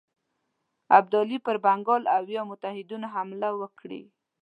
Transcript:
ابدالي پر بنګال او یا متحدینو حمله وکړي.